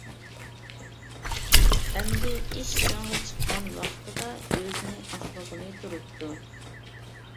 ئەمدى ئىش چىڭغا چىققان ۋاقتىدا ئۆزىنى ئاقلىغىلى تۇرۇپتۇ.